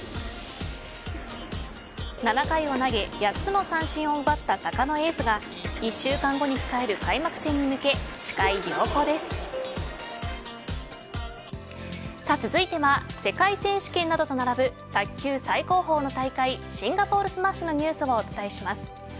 ７回を投げ８つの三振を奪った鷹のエースですが１週間後に控える開幕戦に向け続いては世界選手権などと並ぶ卓球最高峰の大会シンガポールスマッシュのニュースをお伝えします。